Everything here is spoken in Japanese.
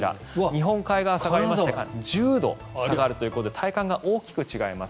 日本海側、下がりまして１０度下がるということで体感が大きく違います。